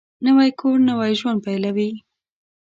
نوی کور نوی ژوند پېلوي